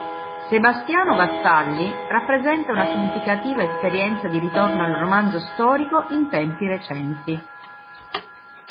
Sebastiano Vassalli rappresenta una significativa esperienza di ritorno al romanzo storico in tempi recenti.